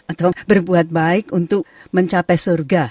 atau berbuat baik untuk mencapai surga